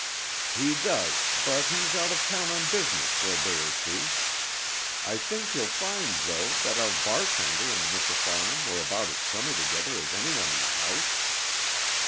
"He does, but he's out of town on business for a day or two. I think you'll find, though, that our bartender and Mr. Farnham were about as chummy together as anyone in the house."